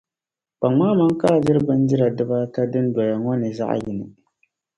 Kpaŋmi amaŋ ka a diri bindira dibaata din doya ŋɔ ni zaɣi yini.